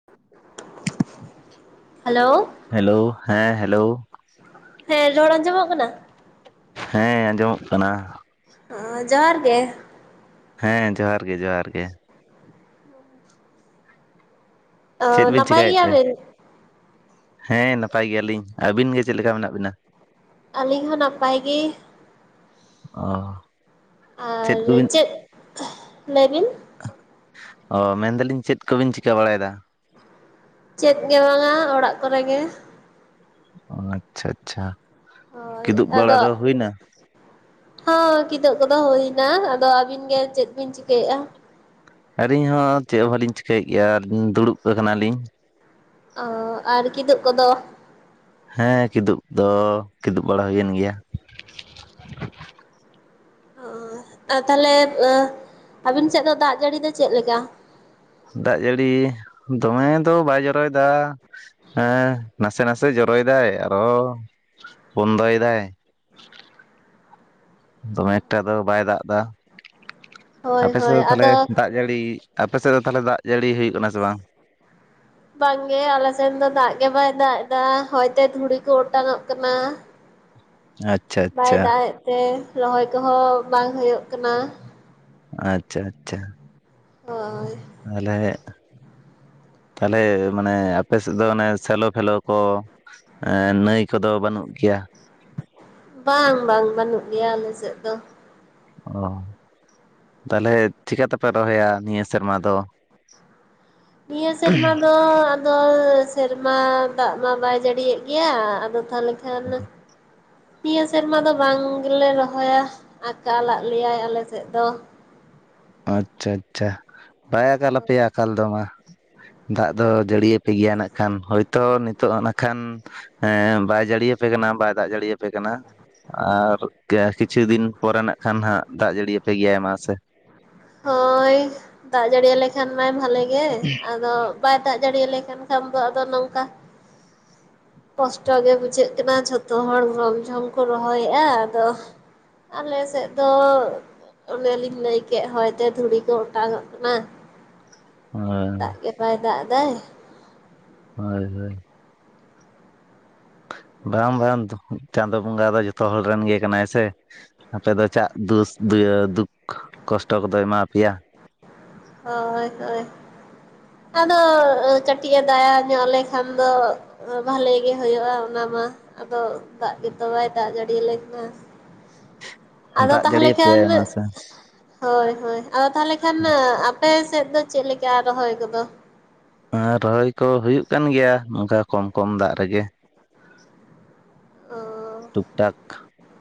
[unintelligible] Hello hello ᱦᱮᱸ hello. ᱦᱮᱸ ᱨᱚᱲ ᱟᱸᱡᱚᱢᱚᱜ ᱠᱟᱱᱟ? ᱦᱮᱸ ᱟᱸᱡᱚᱢᱚᱜ ᱠᱟᱱᱟ᱾ ᱚ ᱡᱚᱦᱟᱨ ᱜᱮ ᱦᱮᱸ ᱡᱚᱦᱟᱨ ᱜᱮ ᱡᱚᱦᱟᱨ ᱜᱮ ᱪᱮᱫ ᱵᱤᱱ ᱱᱟᱯᱟᱭ ᱪᱤᱠᱟᱹᱭᱮᱫ ᱛᱮ? ᱜᱮᱭᱟᱵᱤᱱ ᱦᱮᱸ ᱱᱟᱯᱟᱭ ᱜᱮᱭᱟᱞᱤᱧ᱾ ᱟᱹᱵᱤᱱ ᱜᱮ ᱪᱮᱫ ᱞᱮᱠᱟ ᱢᱮᱱᱟᱜ ᱵᱤᱱᱟ? ᱟᱹᱞᱤᱧ ᱦᱚᱸ ᱱᱟᱯᱟᱭ ᱜᱮ᱾ ᱚ ᱟᱨ ᱪᱮᱫ ᱞᱟᱹᱭ ᱵᱤᱱ? ᱚ ᱢᱮᱱ ᱫᱟᱞᱤᱧ ᱪᱮᱫ ᱠᱚᱵᱤᱱ ᱪᱤᱠᱟᱹ ᱵᱟᱲᱟᱭᱮᱫᱟ? ᱪᱮᱫ ᱜᱮ ᱵᱟᱝᱼᱟ ᱚᱲᱟᱜ ᱠᱚᱨᱮ ᱜᱮ᱾ ᱚ ᱟᱪᱪᱷᱟ ᱟᱪᱪᱷᱟ᱾ ᱦᱚᱭ ᱠᱤᱫᱩᱵ ᱵᱟᱲᱟ ᱫᱚ ᱟᱫᱚ ᱦᱩᱭᱱᱟ ᱦ ᱠᱤᱫᱩᱹ ᱠᱚᱫᱚ ᱦᱩᱭ ᱮᱱᱟ ᱟᱫᱚ ᱟᱹᱵᱤᱱ ᱜᱮ ᱪᱮᱫ ᱵᱤᱱ ᱪᱤᱠᱟᱹᱭᱮᱫᱼᱟ ᱟᱞᱤᱧ ᱦᱚᱸ ᱪᱮᱫ ᱦᱚᱸ ᱵᱟᱹᱞᱤᱧ ᱪᱤᱠᱟᱹᱭᱮᱫ ᱜᱮᱭᱟ ᱫᱩᱲᱩᱵ ᱠᱟᱱᱟᱞᱤᱧ ᱚ ᱟᱨ ᱠᱤᱫᱩᱵ ᱠᱚᱫᱚ ᱦᱮᱸ ᱠᱤᱫᱩᱵ ᱫᱚ ᱠᱤᱫᱩᱵ ᱵᱟᱲᱟ ᱦᱩᱭᱮᱱ ᱜᱮᱭᱟ ᱚ ᱛᱟᱦᱚᱞᱮ ᱟᱹᱵᱤᱱ ᱥᱮᱫ ᱫᱚ ᱫᱟᱜ ᱡᱟᱹᱲᱤ ᱫᱚ ᱪᱮᱫᱞᱮ ᱞᱮᱠᱟ ᱫᱟᱜ ᱡᱟᱹᱲᱤ ᱫᱚᱢᱮ ᱫᱚ ᱵᱟᱭ ᱡᱚᱨᱚᱭᱮᱫᱟ ᱦᱮᱸ ᱱᱟᱥᱮ ᱱᱟᱥᱮ ᱡᱚᱨᱚᱭᱮᱫᱟᱭ ᱟᱨᱚ ᱵᱚᱱᱫᱚᱭᱮᱫᱟᱭ ᱫᱚᱢᱮ ᱮᱠᱴᱟ ᱫᱚ ᱵᱟᱭ ᱫᱟᱜ ᱮᱫᱟ ᱦᱳᱭ ᱟᱯᱮ ᱥᱮᱫ ᱦᱳᱭ ᱫᱚ ᱛᱟᱦᱞᱮ ᱟᱫᱚ ᱫᱟᱜ ᱫᱟᱜ ᱡᱟᱹᱲᱤ ᱟᱯᱮ ᱥᱮᱫ ᱫᱚ ᱛᱟᱦᱞᱮ ᱫᱟᱜ ᱡᱟᱹᱲᱤ ᱦᱩᱭᱩᱜ ᱠᱟᱱᱟ ᱥᱮ ᱵᱟᱝ ᱵᱟᱝᱜᱮ ᱟᱞᱮ ᱥᱮᱱ ᱫᱚ ᱫᱟᱜ ᱜᱮ ᱵᱟᱭ ᱫᱟᱜ ᱮᱫᱟ ᱦᱚᱭᱛᱮ ᱫᱷᱩᱲᱤ ᱠᱚ ᱚᱴᱟᱝ ᱚᱚᱜ ᱠᱟᱱᱟ ᱟᱪᱪᱷᱟ ᱵᱟᱭ ᱟᱪᱪᱷᱟ ᱫᱟᱜ ᱮᱫ ᱛᱮ ᱨᱚᱦᱚᱭ ᱠᱚᱦᱚᱸ ᱵᱟᱝ ᱦᱩᱭᱩᱜ ᱠᱟᱱᱟ ᱟᱪᱪᱷᱟ ᱟᱪᱪᱷᱟ ᱦᱳᱭ ᱟᱞᱮ ᱛᱟᱦᱚᱞᱮ ᱢᱟᱱᱮ ᱟᱯᱮᱮᱥᱮᱫ ᱫᱚ ᱚᱱᱮ ᱥᱮᱞᱳ ᱯᱷᱮᱞᱳ ᱠᱚ ᱱᱟᱹᱭ ᱠᱚᱫᱚ ᱵᱟᱹᱱᱩᱜ ᱜᱮᱭᱟ ᱵᱟᱝ ᱵᱟᱝ ᱵᱟᱹᱱᱩᱜ ᱜᱮᱭᱟ ᱟᱞᱮ ᱥᱮᱫ ᱫᱚ ᱚ ᱛᱟᱦᱚᱞᱮ ᱪᱤᱠᱠᱟ ᱛᱮᱯᱮ ᱨᱚᱦᱚᱭᱟ ᱱᱤᱭᱟᱹ ᱥᱮᱨᱢᱟ ᱫᱚ ᱱᱤᱭᱟᱹ ᱥᱮᱨᱢᱟ ᱫᱚ ᱫᱚ ᱥᱮᱨᱢᱟ ᱫᱟᱜ ᱢᱟ ᱵᱟᱭ ᱡᱟᱹᱲᱤᱭᱮᱜ ᱜᱮᱭᱟ ᱟᱫᱚ ᱛᱟᱦᱞᱮ ᱠᱷᱟᱱ ᱱᱤᱭᱟᱹ ᱥᱮᱨᱢᱟ ᱫᱚ ᱵᱟᱝ ᱜᱮᱞᱮ ᱨᱚᱦᱚᱭᱟ ᱟᱠᱟᱞᱟᱜ ᱞᱮᱭᱟᱭ ᱟᱞᱮᱥᱮᱫ ᱫᱚ ᱟᱪᱪᱷᱟ ᱟᱪᱪᱷᱟ ᱵᱟᱭ ᱟᱠᱟᱞᱟᱯᱮᱭᱟ ᱟᱠᱟᱞ ᱫᱚ ᱢᱟ ᱫᱟᱜ ᱫᱚ ᱡᱟᱹᱲᱤᱭᱟᱯᱮ ᱜᱮᱭᱟ ᱱᱟᱜ ᱠᱷᱟᱱ ᱦᱳᱭᱛᱳ ᱱᱤᱛᱚᱜ ᱱᱟᱜ ᱠᱷᱟᱱ ᱦᱮᱸ ᱵᱟᱭ ᱡᱟᱹᱲᱤᱭᱟᱯᱮ ᱠᱟᱱᱟ ᱵᱟᱭ ᱫᱟᱜ ᱡᱟᱹᱲᱤᱭᱟᱯᱮ ᱠᱟᱱᱟ ᱟᱨ ᱠᱤ ᱟᱠᱷᱤᱨ ᱠᱤᱪᱷᱩ ᱫᱤᱱ ᱯᱚᱨᱮ ᱱᱟᱜ ᱠᱷᱟᱱ ᱦᱟᱸᱟᱜ ᱫᱟᱜ ᱡᱟᱹᱲᱤᱭᱟᱯᱮ ᱜᱮᱭᱟᱭ ᱢᱟ ᱥᱮ ᱦᱳᱭ ᱫᱟᱜ ᱡᱟᱹᱲᱤ ᱭᱟᱞᱮ ᱠᱷᱟᱱ ᱢᱟᱭ ᱵᱷᱟᱞᱮᱜ ᱜᱮ ᱟᱫᱚ ᱵᱟᱭ ᱫᱟᱜ ᱡᱟᱹᱲ ᱟᱞᱮ ᱠᱟᱱ ᱠᱷᱟᱱ ᱫᱚ ᱟᱫᱚ ᱱᱚᱝᱠᱟ ᱠᱚᱥᱴᱚ ᱜᱮ ᱵᱩᱡᱷᱟᱹᱜ ᱠᱟᱱᱟ ᱡᱷᱚᱛᱚ ᱦᱚᱲ ᱨᱚᱢ ᱡᱷᱚᱢ ᱠᱚ ᱨᱚᱦᱚᱭᱮᱜ-ᱟ ᱟᱫᱚ ᱟᱞᱮᱥᱮᱫ ᱫᱚ ᱚᱱᱮᱞᱤᱧ ᱞᱟᱹᱭ ᱠᱮ ᱠᱮᱜ ᱦᱚᱭᱛᱮ ᱫᱷᱩᱲᱤ ᱠᱚ ᱚᱴᱟᱝᱚᱜ ᱠᱟᱱᱟ ᱦᱳᱭ ᱫᱟᱜ ᱜᱮ ᱵᱟᱭ ᱫᱟᱜ ᱫᱟᱭ ᱦᱳᱭ ᱦᱳᱭ ᱵᱟᱝ ᱵᱟᱝ ᱪᱟᱸᱫᱳ ᱵᱚᱸᱜᱟ ᱫᱚ ᱡᱚᱛᱚ ᱦᱚᱲ ᱨᱮᱱ ᱜᱮ ᱠᱟᱱᱟᱭ ᱥᱮ ᱟᱯᱮ ᱫᱚ ᱪᱟᱜ ᱫᱩᱥ ᱫᱩᱭ ᱫᱩᱠ ᱠᱚᱥᱴᱚ ᱠᱚᱫᱚᱭ ᱮᱢᱟ ᱟᱯᱮᱭᱟ ᱦᱳᱭ ᱦᱳᱭ ᱟᱫᱰᱚ ᱠᱟᱹᱴᱤᱡᱮ ᱫᱟᱭᱟ ᱧᱚᱜ ᱟᱞᱮ ᱠᱷᱟᱱ ᱫᱚ ᱵᱷᱟᱞᱮ ᱜᱮ ᱦᱩᱭᱩᱜ-ᱟ ᱚᱱᱟ ᱢᱟ ᱟᱫᱚ ᱫᱟᱜ ᱜᱮᱛᱚ ᱵᱟᱭ ᱫᱟᱜ ᱡᱟᱹᱲᱤᱭᱟᱞᱮᱱ ᱠᱟᱱᱟ ᱟᱫᱚ ᱫᱟᱜ ᱛᱟᱦᱚᱞᱮ ᱠᱷᱟᱱ ᱡᱟᱹᱲᱤᱭᱟᱯᱮᱭᱟᱭ ᱢᱟᱥᱮ ᱦᱳᱭ ᱦᱳᱭ ᱟᱫᱚ ᱛᱟᱦᱞᱮ ᱠᱷᱟᱱ ᱟᱯᱮ ᱥᱮᱫ ᱫᱚ ᱪᱮᱫ ᱞᱮᱠᱟ ᱨᱚᱦᱚᱭ ᱠᱚᱫᱚ ᱟᱨ ᱨᱚᱦᱚᱭ ᱠᱚ ᱦᱩᱭᱩᱜ ᱠᱟᱱ ᱜᱮᱭᱟ ᱱᱚᱝᱠᱟ ᱠᱚᱢ ᱠᱚᱢ ᱫᱟᱜ ᱨᱮᱜᱮ ᱚ ᱴᱩᱠ ᱴᱟᱠ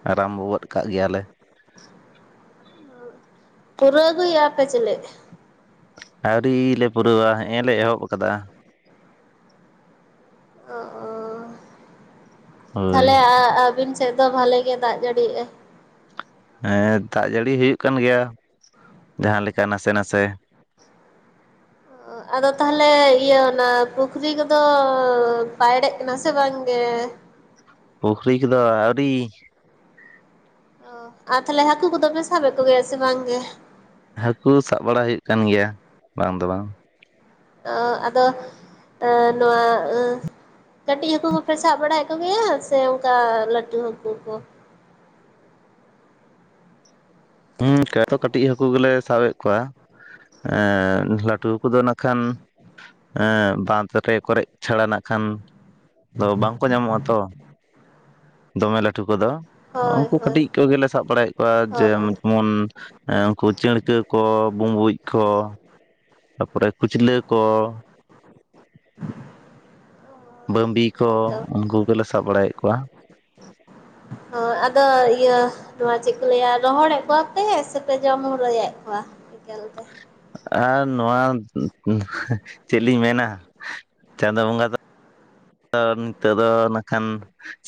ᱟᱨᱟᱢᱵᱚ ᱜᱚᱫ ᱠᱟᱜ ᱜᱮᱭᱟᱞᱮ ᱯᱩᱨᱟᱹ ᱟᱜᱩᱫ ᱭᱮᱜ ᱟ ᱞᱮ ᱪᱮᱞᱮᱫ ᱟᱹᱣᱨᱤ ᱞᱮ ᱯᱩᱨᱟᱹᱣᱟ ᱦᱮᱸᱮ ᱞᱮ ᱮᱦᱚᱵ ᱟᱠᱟᱫᱟ ᱚ ᱚ ᱦᱳᱭ ᱛᱟᱦᱞᱮ ᱟᱹᱵᱤᱱ ᱥᱮᱫ ᱫᱚ ᱵᱷᱟᱞᱮ ᱜᱮ ᱫᱟᱜ ᱡᱟᱹᱲᱤᱭᱮᱜᱼᱟ ᱦᱮᱸ ᱫᱟᱜ ᱡᱟᱹᱲᱤ ᱦᱩᱭᱩᱜ ᱠᱟᱱ ᱜᱮᱭᱟ ᱡᱟᱦᱟᱸ ᱞᱮᱠᱟ ᱱᱟᱥᱮ ᱱᱟᱥᱮ [inaudible] ᱟᱫᱚ ᱛᱟᱦᱞᱮ ᱤᱭᱟᱹ ᱚᱱᱟ ᱯᱩᱠᱷᱨᱤ ᱠᱚᱫᱚ ᱯᱟᱭᱲᱮᱜ ᱠᱟᱱᱟ ᱥᱮ ᱵᱟᱝᱜᱮ ᱯᱩᱠᱷᱨᱤ ᱠᱚᱫᱚ ᱟᱹᱣᱨᱤ ᱚ ᱟᱨ ᱛᱷᱟᱦᱞᱮ ᱦᱟᱹᱠᱩ ᱠᱚᱫᱚᱯᱮ ᱥᱟᱵᱮᱫ ᱠᱚᱜᱮᱭᱟ ᱥᱮ ᱵᱟᱝᱜᱮ ᱦᱟᱹᱠᱩ ᱥᱟᱵ ᱵᱟᱲᱟ ᱦᱩᱭᱩᱜ ᱠᱟᱱ ᱜᱮᱭᱟ ᱵᱟᱝ ᱫᱚ ᱵᱟᱝ ᱚ ᱟᱫᱚ ᱱᱚᱣᱟᱼᱼ ᱠᱟᱹᱴᱤᱡ ᱦᱟᱹᱠᱩ ᱠᱚᱯᱮ ᱥᱟᱵ ᱵᱟᱲᱟᱭᱮᱜ ᱠᱚᱜᱮᱭᱟ ᱥᱮ ᱚᱝᱠᱟ ᱞᱟᱴᱩ ᱦᱟᱹᱠᱩ ᱠᱚ? ᱦᱩᱸ ᱠᱚ ᱛᱚ ᱠᱟᱹᱴᱤᱡ ᱦᱟᱹᱠᱩ ᱜᱮᱞᱮ ᱥᱟᱵᱮᱫ ᱠᱚᱣᱟ᱾ ᱮᱸ ᱞᱟᱹᱴᱩ ᱠᱚ ᱫᱚ ᱱᱟᱠᱷᱟᱱᱼᱼ ᱮᱸ ᱵᱟᱸᱫᱷ ᱨᱮ ᱠᱚᱨᱮᱡ ᱪᱷᱟᱲᱟ ᱱᱟᱜ ᱠᱷᱟᱱ ᱫᱚ ᱵᱟᱝᱠᱚ ᱧᱟᱢᱚᱜ-ᱟ ᱛᱚ ᱫᱚᱢᱮ ᱞᱟᱹᱴᱩ ᱠᱚᱫᱚ᱾ ᱦᱳᱭ ᱩᱝᱠᱩ ᱦᱳᱭ ᱠᱟᱹᱴᱤᱡ ᱠᱚᱜᱮᱞᱮ ᱥᱟᱵ ᱵᱟᱲᱟᱭᱮᱫ ᱠᱚᱣᱟ ᱡᱮ ᱦᱳᱭ ᱢᱚᱱ ᱩᱝᱠᱩ ᱪᱟᱹᱬᱠᱟᱹ ᱠᱚ ᱵᱩᱸᱵᱩᱡ ᱠᱚ ᱛᱟᱯᱚᱨᱮ ᱠᱩᱪᱞᱟᱹ ᱠᱚ ᱵᱟᱸᱵᱤ ᱠᱚ ᱦᱳᱭᱛᱚ ᱩᱱᱠᱩ ᱠᱚᱞᱮ ᱥᱟᱵ ᱵᱟᱲᱟᱭᱮᱫ ᱠᱚᱣᱟ᱾ ᱟᱫᱚ ᱤᱭᱟᱹ ᱱᱚᱣᱟ ᱪᱮᱫ ᱠᱚ ᱞᱟᱹᱭᱟ ᱨᱚᱦᱚᱲᱮᱫ ᱠᱚᱣᱟᱯᱮ ᱥᱮᱯᱮ ᱡᱚᱢ ᱦᱨᱟᱭᱮᱫ ᱠᱚᱣᱟ? ᱮᱠᱟᱞ ᱛᱮ᱾ ᱟᱨ ᱱᱚᱣᱟ ᱪᱮᱫ ᱞᱤᱧ ᱢᱮᱱᱟ ᱪᱟᱸᱫᱚ ᱵᱚᱸᱜᱟ ᱫᱚ ᱛᱚ ᱱᱤᱛᱚᱜ ᱫᱚ ᱱᱟᱜᱠᱷᱟᱱ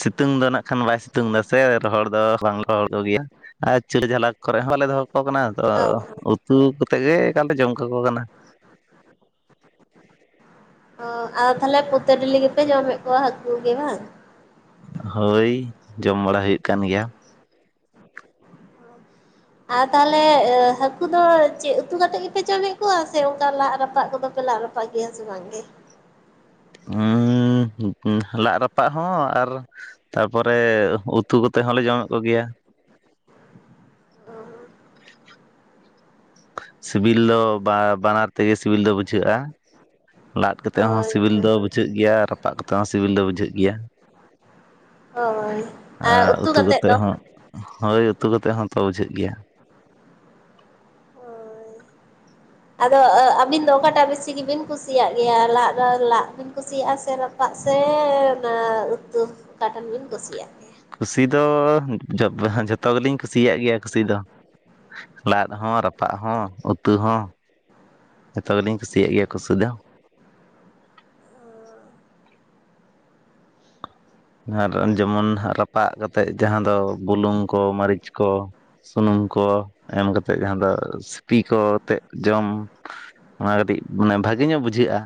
ᱥᱤᱛᱩᱝ ᱫᱚ ᱱᱟᱜᱠᱷᱟᱱ ᱵᱟᱭ ᱥᱤᱛᱩᱝ ᱫᱟ ᱥᱮ ᱨᱚᱦᱚᱲ ᱫᱚ ᱵᱟᱝ ᱨᱚᱦᱚᱲ ᱠᱚᱜᱤᱭᱟ ᱟᱨ ᱪᱩᱞᱦᱟᱹ ᱡᱷᱟᱞᱟᱠ ᱠᱚᱨᱮ ᱦᱚᱸ ᱵᱟᱞᱮ ᱫᱚᱦᱚ ᱠᱚ ᱠᱟᱱᱟ ᱚ ᱛᱚ ᱛᱩ ᱠᱟᱛᱮ ᱜᱮ ᱮᱠᱟᱞ ᱞᱮ ᱡᱚᱢ ᱠᱟᱠᱚ ᱠᱟᱱᱟ᱾ ᱚ ᱟᱨ ᱛᱟᱦᱞᱮ ᱯᱚᱛᱮ ᱰᱤᱞᱤ ᱜᱮᱯᱮ ᱡᱚᱢᱮᱜ ᱠᱚᱣᱟ ᱦᱟᱠᱩ ᱜᱮ ᱵᱟᱝ? ᱦᱳᱭ ᱡᱚᱢ ᱵᱟᱲᱟ ᱦᱩᱭᱩᱜ ᱠᱟᱱ ᱜᱮᱭᱟ᱾ ᱟᱨ ᱛᱟᱦᱞᱮ ᱮᱸ ᱦᱟᱹᱠᱩ ᱫᱚ ᱪᱮᱫ ᱩᱛᱩ ᱠᱟᱛᱮᱫ ᱜᱮᱯᱮ ᱡᱚᱢᱮᱫ ᱠᱚᱣᱟ ᱥᱮ ᱚᱝᱠᱟ ᱞᱟᱜ ᱨᱟᱯᱟᱜ ᱠᱚᱫᱚ ᱯᱮ ᱞᱟᱫ ᱨᱟᱯᱟᱜ [unintelligible] ᱜᱮᱭᱟ ᱥᱮ ᱵᱟᱝ ᱜᱮ? ᱦᱩᱸᱻ ᱞᱟᱜ ᱨᱟᱯᱟᱜ ᱦᱚᱸ ᱟᱨ ᱛᱟᱨᱯᱚᱨᱮ ᱩᱛᱩ ᱠᱚᱛᱮᱫ ᱦᱚᱸᱞᱮ ᱡᱚᱢᱮᱫ ᱠᱚᱜᱮᱭᱟ᱾ [inaudible] ᱥᱤᱵᱤᱞ ᱫᱚ ᱵᱟ ᱵᱟᱱᱟᱨ ᱛᱮᱜᱮ ᱥᱤᱵᱤᱞ ᱫᱚ ᱵᱩᱡᱷᱟᱹᱼᱟ᱾ ᱞᱟᱫ ᱠᱟᱛᱮ ᱦᱚᱸ ᱦᱳᱭ ᱥᱤᱵᱤᱞ ᱫᱚ ᱵᱩᱡᱷᱟᱹ ᱜᱮᱭᱟ ᱨᱟᱯᱟᱜ ᱠᱟᱛᱮ ᱦᱚᱸ ᱥᱤᱵᱤᱞ ᱫᱚ ᱵᱩᱡᱷᱟᱹ ᱜᱮᱭᱟ᱾ ᱦᱳᱭ ᱟᱨ ᱩᱛᱩ ᱠᱟᱛᱮ ᱦᱚᱸ ᱦᱳᱭ ᱩᱛᱩ ᱠᱟᱛᱮ ᱦᱚᱸ ᱛᱚ ᱵᱩᱡᱷᱟᱹᱜ ᱜᱮᱭᱟ᱾ ᱦᱳᱭ ᱟᱫᱚ ᱟᱹᱵᱤᱱ ᱫᱚ ᱚᱠᱟᱴᱟᱜ ᱵᱤᱥᱤ ᱜᱮᱵᱤᱱ ᱠᱩᱥᱤᱭᱟᱜ ᱜᱮᱭᱟ ᱞᱟᱫ ᱫᱚ ᱞᱟ ᱠᱩᱥᱤᱭᱟᱜᱼᱟ ᱥᱮ ᱨᱟᱯᱟᱜ ᱥᱮᱻ ᱱᱛᱩ ᱚᱠᱟᱴᱮᱱ ᱵᱤᱱ ᱠᱩᱥᱤᱭᱟᱼᱟ? ᱠᱩᱥᱤ ᱫᱚ ᱡᱚᱛᱚ ᱜᱮᱞᱤᱧ ᱠᱩᱥᱤᱭᱟᱜ ᱜᱮᱭᱟ ᱠᱩᱥᱤ ᱫᱚ᱾ ᱞᱟᱫ ᱦᱚᱸ ᱨᱟᱯᱟᱜ ᱦᱚᱸ ᱩᱛᱩ ᱦᱚᱸ ᱡᱚᱛᱚ ᱜᱮᱞᱤᱧ ᱠᱩᱥᱤᱭᱟᱜ ᱜᱮᱭᱟ ᱠᱩᱥᱤ ᱫᱚ᱾ ᱟᱨ ᱡᱮᱢᱚᱱ ᱨᱟᱯᱟᱜ ᱠᱟᱛᱮᱫ ᱡᱟᱦᱟᱸ ᱫᱚ ᱵᱩᱞᱩᱝ ᱠᱚ ᱢᱟᱹᱨᱤᱪ ᱠᱚ ᱥᱩᱱᱩᱢ ᱠᱚ ᱮᱢ ᱠᱟᱛᱮᱫ ᱡᱟᱦᱟᱸ ᱫᱚ ᱥᱤᱯᱤ ᱠᱚ ᱟᱛᱮᱫ ᱡᱚᱢ᱾ ᱚᱱᱟ ᱠᱟᱹᱴᱤᱡ ᱢᱟᱱᱮ ᱵᱷᱟᱹᱜᱮ ᱧᱚᱜ ᱵᱩᱡᱷᱟᱹᱜᱼᱟ᱾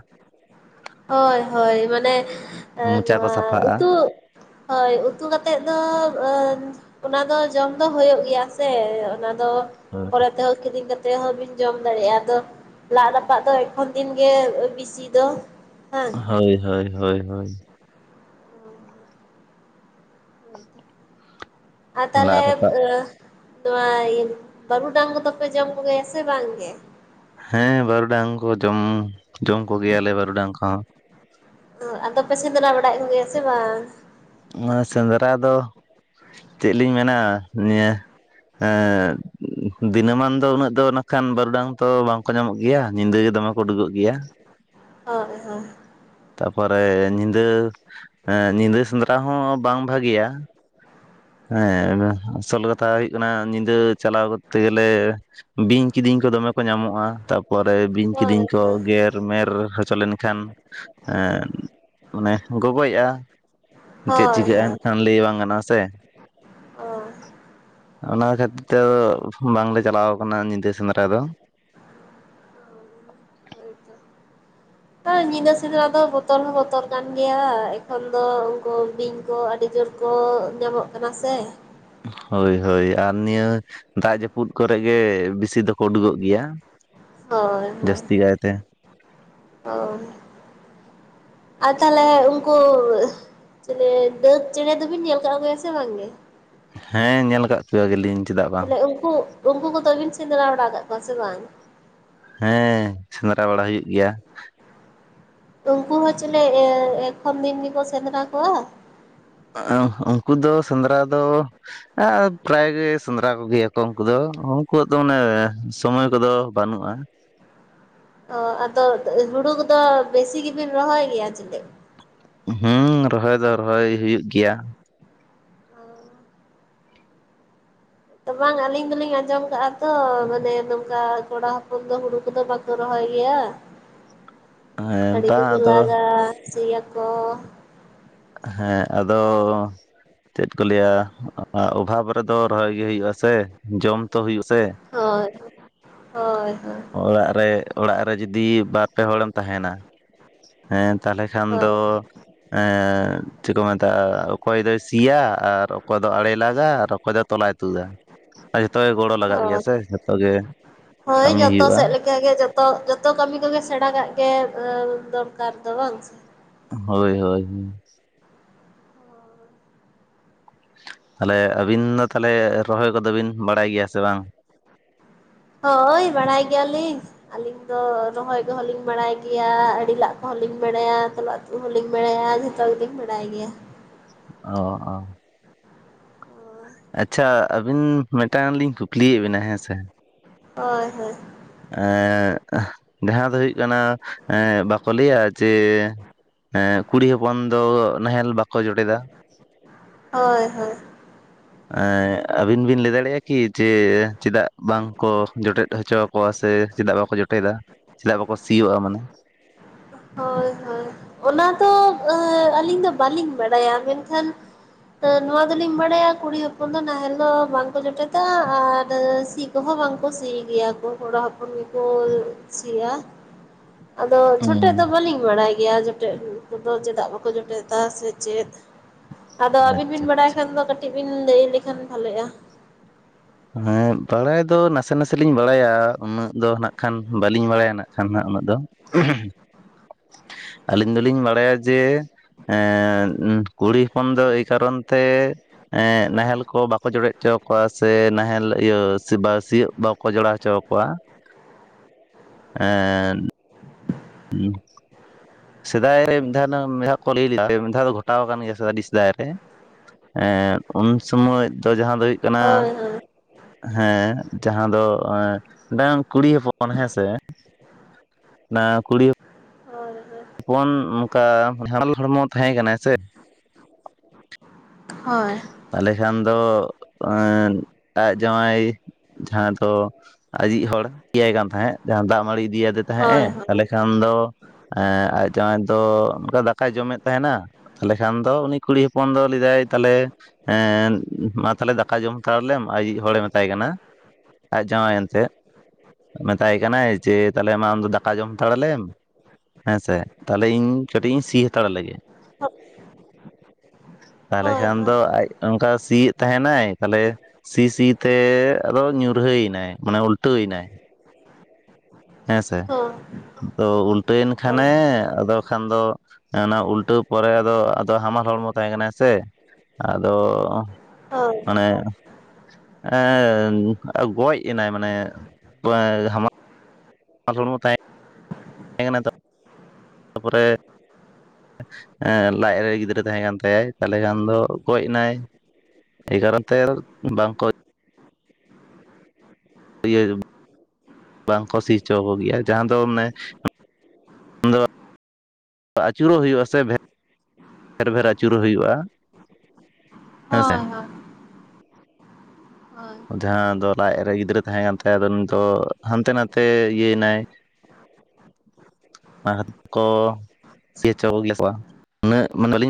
ᱦᱳᱭ ᱦᱳᱭ ᱢᱟᱱᱮ ᱢᱚᱪᱟ ᱠᱚ ᱱᱚᱣᱟ ᱥᱟᱯᱷᱟᱜᱼᱟ ᱩᱛᱩ ᱦᱳᱭ ᱩᱛᱩ ᱠᱟᱛᱮᱫ ᱫᱚ ᱟᱸ ᱚᱱᱟ ᱫᱚ ᱡᱚᱢ ᱫᱚ ᱦᱩᱭᱩᱜ ᱜᱮᱭᱟ ᱥᱮ ᱚᱱᱟ ᱫᱚ ᱯᱚᱨᱮ ᱛᱮᱦᱚᱸ ᱠᱤᱨᱤᱧ ᱠᱟᱛᱮᱜ ᱛᱮᱦᱚᱸ ᱵᱤᱱ ᱡᱚᱢ ᱫᱟᱲᱮᱼᱟ ᱟᱫᱚ ᱞᱟᱫ ᱨᱟᱯᱟᱜ ᱫᱚ ᱮᱠᱷᱚᱱ ᱫᱤᱱ ᱜᱮ ᱵᱤᱥᱤ ᱫᱚ᱾ ᱦᱮᱸ ᱦᱳᱭ ᱦᱳᱭ ᱦᱳᱭ ᱦᱳᱭ᱾ ᱟ ᱛᱟᱦᱚᱞᱮ ᱞᱟᱫ ᱨᱟᱯᱟᱜ ᱱᱚᱣᱟᱹ ᱵᱟᱹᱨᱩᱰᱟᱝ ᱠᱚᱫᱚᱯᱮ ᱡᱚᱢ ᱠᱚᱜᱟᱭᱟ ᱥᱮ ᱵᱟᱝᱜᱮ? ᱦᱮᱸ ᱵᱟᱹᱨᱩᱰᱟᱝ ᱠᱚ ᱡᱚᱢ ᱡᱚᱢ ᱠᱚᱜᱮᱭᱟᱞᱮ ᱵᱟᱹᱨᱩᱰᱟᱝ ᱠᱚᱦᱚᱸ᱾ ᱟᱫᱚ ᱯᱮ ᱥᱮᱫᱨᱟ ᱵᱟᱲᱟᱭᱮᱫ ᱵᱟᱰᱟᱭᱮᱫ ᱠᱚᱜᱮᱭᱟ ᱥᱮ ᱵᱟᱝ? ᱱᱚᱣᱟ ᱥᱮᱸᱫᱽᱨᱟ ᱫᱚ ᱪᱮᱫ ᱞᱤᱧ ᱢᱮᱱᱟ ᱱᱤᱭᱟᱹ ᱮᱸ ᱫᱤᱱᱟᱹᱢᱟᱱ ᱫᱚ ᱩᱱᱟᱹᱜ ᱫᱚ ᱱᱟᱠᱷᱟᱱ ᱵᱟᱹᱨᱩᱰᱟᱝ ᱛᱚ ᱵᱟᱝᱠᱚ ᱧᱟᱢᱚᱜ ᱜᱮᱭᱟ ᱧᱤᱫᱟᱹ ᱜᱮ ᱫᱚᱢᱮ ᱠᱚ ᱩᱰᱩᱠᱚᱜ ᱜᱮᱭᱟ᱾ ᱦᱟᱹᱭ ᱦᱟᱹᱭ᱾ ᱛᱟᱯᱚᱨᱮ ᱧᱤᱫᱟᱹ ᱧᱤᱫᱟᱹ ᱥᱮᱸᱫᱽᱨᱟ ᱦᱚᱸ ᱵᱟᱝ ᱵᱷᱟᱹᱜᱤ ᱭᱟ᱾ ᱦᱮᱸ ᱟᱥᱳᱞ ᱛᱟ ᱦᱩᱭᱩᱜ ᱠᱟᱱᱟ ᱧᱤᱫᱟᱹ ᱪᱟᱞᱟᱣ ᱠᱚᱨᱛᱮ ᱜᱮᱞᱮ ᱵᱤᱧ ᱠᱤᱫᱤᱧ ᱠᱚ ᱫᱚᱢᱮ ᱠᱚ ᱧᱟᱢᱚᱜᱼᱟ ᱯᱚᱨᱮ ᱵᱤᱧ ᱦᱳᱭ ᱠᱤᱫᱤᱧ ᱦᱳᱭ ᱠᱚ ᱜᱮᱨ ᱢᱮᱨ ᱦᱚᱪᱚ ᱞᱮᱱᱠᱷᱟᱱ ᱢᱟᱱᱮ ᱜᱚᱜᱚᱡᱼᱟ᱾ ᱪᱮᱫ ᱦᱳᱭ ᱪᱤᱠᱟᱹᱜᱼᱟ ᱦᱳᱭ ᱢᱮᱱᱠᱷᱟᱱ ᱞᱟᱹᱭ ᱵᱟᱝ ᱜᱟᱱᱚᱜᱼᱟ ᱥᱮ ᱦᱳᱭ ᱚᱱᱟ ᱠᱷᱟᱹᱛᱤᱨ ᱛᱮ ᱵᱟᱝᱞᱮ ᱪᱟᱞᱟᱣ ᱠᱟᱱᱟ ᱧᱤᱫᱟᱹ ᱥᱮᱸᱫᱽᱨᱟ ᱫᱚ ᱦᱳᱭᱛᱚ ᱦᱚ ᱧᱤᱫᱟᱹ ᱥᱮᱸᱤᱫᱨᱟ ᱫᱚ ᱵᱚᱛᱚᱨ ᱦᱚᱸ ᱵᱚᱛᱚᱨ ᱠᱟᱱ ᱜᱮᱭᱟ ᱮᱠᱷᱚᱱ ᱫᱚ ᱩᱱᱠᱩ ᱵᱤᱧ ᱠᱚ ᱟᱹᱰᱤ ᱡᱳᱨᱻᱻ ᱠᱚ ᱧᱟᱢᱚᱜ ᱠᱟᱱᱟ ᱥᱮ ᱦᱳᱭ ᱦᱳᱭ ᱟᱨ ᱱᱤᱭᱟᱹᱻᱻ ᱫᱟ ᱡᱟᱹᱯᱩᱫ ᱠᱚᱨᱮ ᱜᱮ ᱵᱮᱥᱤ ᱫᱚᱠᱚ ᱩᱰᱩᱠᱚᱜ ᱜᱮᱭᱟ ᱦᱳᱭ ᱡᱟᱹᱥᱛᱤ ᱠᱟᱭᱛᱮ ᱦᱳᱭ [unintelligible] ᱟᱨ ᱛᱟᱦᱚᱞᱮ ᱩᱱᱠᱩᱻᱻ ᱪᱮ [unintelligible] ᱪᱮᱬᱮ ᱫᱚᱵᱤᱱ ᱧᱮᱞ ᱠᱟᱸ ᱠᱚᱜᱮᱭᱟ ᱥᱮ ᱵᱟᱝᱜᱮ ᱦᱮᱸ ᱧᱮᱞ ᱠᱟᱫᱻᱻ [unintelligible] ᱜᱮᱞᱤᱧ ᱪᱮᱫᱟᱜᱻᱻ ᱛᱟᱦᱚᱞᱮ ᱩᱱᱠᱩ ᱩᱱᱠᱩ ᱠᱚᱫᱚᱵᱤᱱ ᱥᱮᱸᱫᱽᱨᱟ ᱵᱟᱲᱟ ᱠᱟᱫ ᱠᱚᱣᱟ ᱥᱮ ᱵᱟᱝ ᱦᱮᱸ ᱥᱮᱸᱫᱽᱨᱟ ᱵᱟᱲᱟ ᱦᱩᱭᱩᱜ ᱜᱮᱭᱟ ᱩᱱᱠᱩ ᱦᱚᱸ ᱪᱚᱞᱮᱫ ᱮᱠᱷᱚᱱ ᱫᱤᱱ ᱜᱮᱠᱚ ᱥᱮᱸᱫᱽᱨᱟ ᱠᱚᱣᱟ ᱩᱱᱠᱩ ᱫᱚ ᱥᱮᱸᱫᱽᱨᱟ ᱫᱚᱻᱻ ᱟᱸ ᱯᱨᱟᱭ ᱜᱮ ᱥᱮᱸᱫᱽᱨᱟ ᱠᱚᱜᱮᱭᱟᱠᱚ ᱩᱱᱠᱩ ᱫᱚ ᱩᱱᱠᱩᱣᱟᱜ ᱫᱚ ᱢᱟᱱᱮ ᱥᱚᱢᱚᱭ ᱠᱚᱫᱚ ᱵᱟᱹᱱᱩᱜᱼᱟ ᱚ ᱟᱫᱚ ᱦᱩᱲᱩ ᱠᱚᱫᱚ ᱵᱮᱥᱤ ᱜᱮᱵᱤᱱ ᱨᱚᱦᱚᱭ ᱜᱮᱭᱟ ᱪᱮᱫ ᱦᱩᱸ ᱨᱚᱦᱚᱭ ᱫᱚ ᱨᱚᱦᱚᱭ ᱦᱩᱭᱩᱜ ᱜᱮᱭᱟ ᱾ [inaudible] ᱵᱟᱝ ᱟᱹᱞᱤᱧ ᱫᱚᱞᱤᱧ ᱟᱸᱡᱚᱢ ᱠᱟᱜ-ᱟ ᱛᱚ ᱢᱟᱱᱮ ᱱᱚᱝᱠᱟ ᱠᱚᱲᱟ ᱦᱚᱯᱚᱱ ᱫᱚ ᱦᱩᱲᱩ ᱠᱚᱫᱚ ᱵᱟ ᱼᱼ ᱛᱳ ᱨᱚᱦᱚᱭ ᱜᱮᱭᱟ ᱾ [inaudible] ᱦᱮᱸ ᱟᱹᱰᱤ ᱠᱚᱠᱚ ᱵᱟᱝ ᱟᱫᱚ ᱞᱟᱠᱜᱟ ᱥᱩᱭᱟᱹ ᱠᱚ ᱦᱮᱸ ᱟᱫᱚ ᱼᱼ ᱪᱮᱫ ᱠᱚ ᱞᱟᱹᱭᱟ ᱚᱵᱷᱟᱵᱽ ᱨᱮᱫᱚ ᱨᱚᱦᱚᱭ ᱜᱮ ᱦᱩᱭᱩᱜ-ᱟ ᱥᱮ ᱡᱚᱢ ᱛᱚ ᱦᱩᱭᱩᱜ-ᱟ ᱥᱮ ᱾ ᱦᱳᱭ ᱦᱳᱭ ᱦᱳᱭ ᱚᱲᱟᱜ ᱨᱮ ᱚᱲᱟᱜ ᱨᱮ ᱡᱩᱫᱤ ᱵᱟᱨ ᱯᱮ ᱦᱚᱲᱮᱢ ᱛᱟᱦᱮᱱᱟ ᱾ ᱦᱮᱸ ᱛᱟᱦᱚᱞᱮ ᱠᱷᱟᱱ ᱦᱳᱭ ᱫᱚ ᱪᱮᱫ ᱠᱚ ᱢᱮᱛᱟᱜ-ᱟ ᱼᱼ ᱚᱠᱚᱭ ᱫᱚᱭ ᱥᱤᱭᱟ ᱟᱨ ᱚᱠᱚᱭ ᱫᱚ ᱟᱲᱮ ᱼᱼ ᱞᱟᱜᱟ ᱟᱨ ᱚᱠᱚᱭ ᱫᱚᱭ ᱛᱚᱞᱟᱭ ᱛᱩᱫᱟ ᱟᱨ ᱡᱷᱚᱛᱚ ᱜᱮ ᱜᱚᱲᱚ ᱞᱟᱜᱟᱜ ᱜᱮᱭᱟ ᱦᱳᱭ ᱥᱮ ᱡᱷᱚᱛᱚ ᱜᱮ ᱾ ᱦᱳᱭ ᱡᱚᱛᱚ ᱥᱮᱫ ᱞᱮᱠᱟ ᱾ [unintelligible] ᱡᱚᱛᱚ ᱡᱚᱛᱚ ᱠᱟᱹᱢᱤ ᱠᱚᱜᱮ ᱥᱮᱬᱟ ᱠᱟᱜ ᱜᱮ ᱫᱚᱨᱠᱟᱨ ᱫᱚ ᱵᱟᱝ ᱥᱮ ᱾ ᱦᱳᱭ ᱦᱳᱭ ᱦᱳᱭ ᱾ ᱛᱟᱦᱚᱞᱮ ᱟᱹᱵᱤᱱ ᱫᱚ ᱛᱟᱦᱚᱞᱮ ᱨᱚᱦᱚᱭ ᱠᱚᱫᱚ ᱵᱤᱱ ᱵᱟᱲᱟᱭ ᱜᱮᱭᱟ ᱥᱮ ᱵᱟᱝ? ᱦᱳᱭ ᱵᱟᱲᱟᱭ ᱜᱮᱭᱟᱞᱤᱧ ᱾ ᱟᱹᱞᱤᱧ ᱫᱚ ᱨᱚᱦᱚᱭ ᱠᱚᱦᱚᱸ ᱞᱤᱧ ᱵᱟᱲᱟᱭ ᱜᱮᱭᱟ ᱟᱹᱲᱤ ᱞᱟᱜ ᱠᱚᱦᱚᱸ ᱞᱤᱧ ᱵᱟᱲᱟᱭᱟ [unintelligible] ᱯᱩ ᱦᱚᱞᱤᱧ ᱵᱟᱲᱟᱭᱟ ᱟᱨ ᱡᱷᱚᱛᱚ ᱜᱮᱞᱤᱧ ᱵᱟᱲᱟᱭ ᱜᱮᱭᱟ ᱾ ᱚ ᱚ ᱟᱪᱪᱷᱟ ᱟᱹᱵᱤᱱ ᱢᱤᱫᱴᱟᱝ ᱞᱤᱧ ᱠᱩᱠᱞᱤᱭᱮᱫ ᱵᱤᱱᱟ ᱦᱮᱸ ᱥᱮ? ᱦᱳᱭ ᱦᱳᱭ ᱮᱜ ᱡᱟᱦᱟᱸ ᱫᱚ ᱦᱩᱭᱩᱜ ᱠᱟᱱᱟ ᱼᱼ ᱮᱜ ᱵᱟᱠᱚ ᱞᱟᱹᱭᱟ ᱡᱮ ᱠᱩᱲᱤ ᱦᱚᱯᱚᱱ ᱫᱚ ᱱᱟᱦᱮᱞ ᱵᱟᱠᱚ ᱡᱚᱴᱮᱫᱟ? ᱦᱳᱭ ᱦᱳᱭ ᱟᱹᱵᱤᱱ ᱵᱤᱱ ᱞᱟᱹᱭ ᱫᱟᱲᱮᱭᱟᱜ-ᱟ ᱠᱤ ᱡᱮ ᱪᱮᱫᱟᱜ ᱵᱟᱝᱠᱚ ᱡᱚᱴᱮᱫ ᱦᱚᱪᱚ ᱼᱼ [unintelligible] ᱥᱮ ᱪᱮᱫᱟᱜ ᱵᱟᱠᱚ ᱡᱚᱴᱮᱫᱟ ᱪᱮᱫᱟᱜ ᱵᱟᱠᱚ ᱥᱤᱭᱳ-ᱟ ᱢᱟᱱᱮ ᱼᱼ ᱦᱳᱭ ᱦᱳᱭ ᱚᱱᱟ ᱫᱚ ᱟᱹᱞᱤᱧ ᱫᱚ ᱵᱟᱹᱞᱤᱧ ᱵᱟᱲᱟᱭᱟ ᱢᱮᱱᱠᱷᱟᱱ ᱼᱼ ᱱᱚᱣᱟ ᱫᱚᱞᱤᱧ ᱵᱟᱲᱟᱭᱟ ᱠᱩᱲᱤ ᱦᱚᱯᱚᱱ ᱫᱚ ᱱᱟᱦᱮᱞ ᱫᱚ ᱵᱟᱝᱠᱚ ᱡᱚᱴᱮᱫᱟ ᱟᱨ ᱥᱤ ᱼᱼ [unintelligible] ᱵᱟᱝ ᱠᱚ ᱥᱤ ᱜᱮᱭᱟ ᱠᱚ ᱠᱚᱲᱟ ᱦᱚᱯᱚᱱ ᱜᱮᱠᱚ ᱥᱤᱭᱟ ᱾ [inaudible] ᱟᱫᱚ ᱦᱩᱸ ᱪᱷᱚᱴᱮᱫ ᱫᱚ ᱵᱟᱹᱞᱤᱧ ᱵᱟᱲᱟᱭ ᱜᱮᱭᱟ ᱡᱚᱴᱮᱫ ᱠᱚᱫᱚ ᱪᱮᱫᱟᱜ ᱵᱟᱠᱚ ᱡᱚᱴᱮᱫᱟ ᱥᱮ ᱪᱮᱫ ᱾ ᱟᱫᱚ ᱟᱹᱵᱤᱱ ᱵᱤᱱ ᱟᱪᱪᱷᱟ ᱟᱪᱪᱷᱟ ᱵᱟᱲᱟᱭ ᱠᱷᱟᱱ ᱫᱚ ᱠᱟᱹᱴᱤᱡ ᱵᱤᱱ ᱞᱟᱹᱭ ᱞᱮᱠᱷᱟᱱ ᱵᱷᱟᱞᱮᱜ-ᱟ᱾ ᱦᱮᱸ ᱵᱟᱲᱟᱭ ᱫᱚ ᱱᱟᱥᱮ ᱱᱟᱥᱮ ᱞᱤᱧ ᱵᱟᱲᱟᱭᱟ ᱩᱱᱟᱹᱜ ᱫᱚ ᱱᱟᱜ ᱠᱷᱟᱱ ᱵᱟᱹᱞᱤᱧ ᱵᱟᱲᱟᱭᱟ ᱱᱟᱜ ᱠᱷᱟᱱ ᱱᱟᱜ ᱩᱱᱟᱹᱜ ᱫᱚ ᱟᱹᱞᱤᱧ ᱫᱚᱞᱤᱧ ᱵᱟᱲᱟᱭᱟ ᱡᱮ ᱼᱼ ᱮᱸ ᱠᱩᱲᱤ ᱦᱚᱯᱚᱱ ᱫᱚ ᱮᱹᱭ ᱠᱟᱨᱚᱱ ᱛᱮ ᱼᱼ ᱮᱸ ᱱᱟᱦᱮᱞ ᱠᱚ ᱵᱟᱠᱚ ᱡᱚᱲᱮᱫ ᱪᱚ ᱠᱚᱣᱟ ᱥᱮ ᱱᱟᱦᱮᱸ [unintelligible] ᱥᱤᱭᱟᱹᱜ ᱵᱟᱠᱚ ᱡᱚᱲᱟᱣ ᱦᱚᱪᱚ ᱟᱠᱚᱣᱟ [inaudible] ᱮᱸ [unintelligible] [inaudible] ᱥᱮᱫᱟᱭ ᱨᱮ ᱢᱤᱫ ᱫᱷᱟᱣ ᱢᱤᱫ ᱫᱷᱟᱣ ᱠᱚ ᱞᱟᱹᱭ ᱞᱮᱫᱟ ᱢᱤᱫ ᱫᱷᱟᱣ ᱫᱚ ᱜᱷᱚᱴᱟᱣ ᱟᱠᱟᱱ ᱜᱮᱭᱟ ᱥᱮ ᱟᱹᱰᱤ ᱥᱮᱫᱟᱭ ᱨᱮ ᱮᱸᱜ ᱩᱱ ᱥᱚᱢᱚᱭ ᱫᱚ ᱡᱟᱦᱟᱸ ᱫᱚ ᱦᱩᱭᱩᱜ ᱠᱟᱱᱟ ᱦᱳᱭ ᱼᱼ ᱦᱳᱭ ᱦᱮᱸ ᱡᱟᱦᱟᱸ ᱫᱚ ᱢᱤᱫᱟᱝ ᱠᱩᱲᱤ ᱦᱚᱯᱚᱱ ᱦᱮᱸ ᱥᱮ ᱼᱼ ᱱᱟ ᱠᱩᱲᱤ [inaudible] [unintelligible] ᱚᱱᱠᱟ [unintelligible] ᱦᱚᱲᱢᱚ ᱛᱟᱦᱮᱸ ᱠᱟᱱᱟ ᱥᱮ ᱼᱼ ᱦᱳᱭ ᱛᱟᱦᱚᱞᱮ ᱠᱷᱟᱱ ᱫᱚ ᱟᱡ ᱡᱟᱶᱟᱭ ᱼᱼ ᱡᱟᱦᱟᱸ ᱫᱚ ᱟᱡᱤᱡ ᱦᱚᱲ ᱤᱫᱤᱭᱟᱭ ᱠᱟᱱ ᱛᱟᱦᱮᱸᱫ ᱡᱟᱦᱟᱸ ᱫᱟᱜ ᱢᱟᱹᱲᱤ ᱤᱫᱤ ᱟᱫᱮ ᱛᱟᱦᱮᱸᱫ ᱮ ᱦᱳᱭ ᱦᱳᱭ ᱛᱟᱦᱚᱞᱮ ᱠᱷᱟᱱ ᱫᱚ ᱟᱡ ᱡᱟᱣᱟᱭ ᱫᱚ ᱚᱱᱠᱟ ᱫᱟᱠᱟᱭ ᱡᱚᱢᱮᱫ ᱛᱟᱦᱮᱱᱟ ᱛᱟᱦᱚᱞᱮ ᱠᱷᱟᱱ ᱫᱚ ᱩᱱᱤ ᱠᱩᱲᱤ ᱦᱚᱯᱚᱱ ᱫᱚ ᱞᱟᱹᱭ ᱫᱟᱭ ᱛᱟᱦᱚᱞᱮ ᱮᱸ ᱢᱟ ᱛᱟᱦᱚᱞᱮ ᱫᱟᱠᱟ ᱡᱚᱢ ᱦᱟᱛᱟᱲ ᱞᱮᱢ ᱟᱭᱤᱡ ᱦᱚᱲᱮ ᱢᱮᱛᱟᱭ ᱠᱟᱱᱟ ᱟᱡ ᱡᱟᱶᱟᱭ ᱮᱱᱛᱮ ᱢᱮᱛᱟᱭ ᱠᱟᱱᱟᱭ ᱡᱮ ᱛᱟᱦᱚᱞᱮ ᱢᱟ ᱟᱢᱫᱚ ᱫᱟᱠᱟ ᱡᱚᱢ ᱦᱟᱛᱟᱲ ᱞᱮᱢ ᱦᱮᱸᱥᱮ ᱛᱟᱦᱚᱞᱮ ᱤᱧ ᱠᱟᱹᱴᱤᱡ ᱤᱧ ᱥᱤ ᱦᱟᱛᱟᱲ ᱞᱮᱜᱮ ᱛᱟᱦᱞᱮ ᱦᱳᱭ ᱠᱷᱟᱱ ᱦᱳᱭ ᱫᱚ ᱟᱡ ᱚᱱᱠᱟ ᱥᱤᱭᱮᱫ ᱛᱟᱦᱮᱱᱟᱭ ᱛᱟᱦᱚᱞᱮ ᱥᱤ ᱥᱤ ᱛᱮ ᱟᱫᱚ ᱧᱩᱨᱦᱟᱹᱭ ᱮᱱᱟᱭ ᱢᱟᱱᱮ ᱩᱞᱴᱟᱹᱣ ᱱᱟᱭ ᱦᱮᱸ ᱥᱮ ᱦᱳᱭ ᱟᱫᱚ ᱩᱞᱴᱟᱹᱭᱮᱱ ᱦᱳᱭ ᱠᱷᱟᱱᱮ ᱟᱫᱚ ᱠᱷᱟᱱ ᱫᱚ ᱚᱱᱟ ᱩᱞᱴᱟᱹᱣ ᱯᱚᱨᱮ ᱟᱫᱚ ᱟᱫᱚ ᱦᱟᱢᱟᱞ ᱦᱚᱲᱢᱚ ᱛᱟᱦᱮᱸ ᱠᱟᱱᱟᱭ ᱥᱮ ᱟᱫᱚ ᱦᱳᱭ ᱢᱟᱱᱮ ᱮᱸ ᱜᱚᱡ ᱮᱱᱟᱭ ᱢᱟᱱᱮ [unintelligible] [unintelligible] ᱛᱟᱦᱮᱸ ᱮᱱᱟ [unintelligible] ᱫᱚ ᱛᱟᱯᱚᱨᱮ ᱞᱟᱡ ᱨᱮ ᱜᱤᱫᱽᱨᱟᱹ ᱛᱟᱦᱮᱸᱠᱟᱱ ᱛᱟᱭᱟᱭ ᱛᱟᱦᱚᱞᱮ ᱠᱷᱟᱱ ᱫᱚ ᱜᱚᱡ ᱮᱱᱟᱭ ᱮ ᱠᱟᱨᱚᱱ ᱛᱮ ᱵᱟᱝᱠᱚ [unintelligible] ᱵᱟᱝᱠᱚ ᱥᱤ ᱦᱚᱪᱚ ᱠᱚᱜᱮᱭᱟ ᱡᱟᱦᱟᱸ ᱫᱚ ᱢᱟᱱᱮ ᱫᱚ ᱟᱹᱪᱩᱨᱚᱜ ᱦᱩᱭᱩᱜᱼᱟ ᱥᱮ, ᱵᱮᱨᱵᱷᱮᱨ ᱟᱹᱪᱩᱨᱚᱜ ᱦᱩᱭᱩᱜᱼᱟ ᱦᱮᱸᱥᱮ ᱦᱳᱭ ᱦᱳᱭ ᱦᱳᱭ ᱡᱟᱦᱟᱸ ᱫᱚ ᱞᱟᱡᱨᱮ ᱜᱤᱫᱽᱨᱟᱹ ᱛᱟᱦᱮᱸ ᱠᱟᱱ ᱛᱟᱭᱟ ᱟᱫᱚ ᱩᱱᱤ ᱫᱚ ᱦᱟᱱᱛᱮ ᱱᱟᱛᱮ ᱤᱭᱟᱹᱭ ᱱᱟᱭ [inaudible] ᱟᱨ ᱠᱚ ᱥᱤ ᱦᱚᱪᱚ ᱠᱚᱜᱮᱭᱟ [unintelligible] ᱩᱱᱟᱹᱜ ᱢᱟᱱᱮ